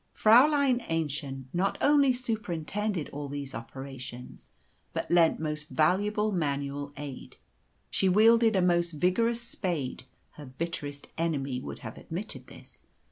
Fräulein Aennchen not only superintended all these operations, but lent most valuable manual aid. She wielded a most vigorous spade her bitterest enemy would have admitted this.